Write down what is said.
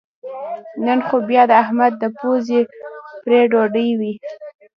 نن خو بیا د احمد پوزې پرې ډډې وې